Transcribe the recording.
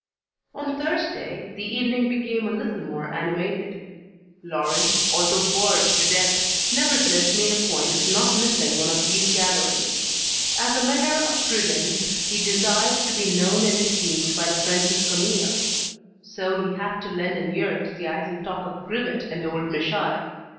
On Thursday, the evening became a little more animated. Laurent, although bored to death, nevertheless made a point of not missing one of these gatherings. As a measure of prudence he desired to be known and esteemed by the friends of Camille. So he had to lend an ear to the idle talk of Grivet and old Michaud.